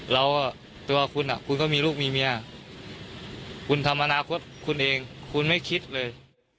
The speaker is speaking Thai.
ตัวคุณคุณก็มีลูกมีเมียคุณทำอนาคตคุณเองคุณไม่คิดเลย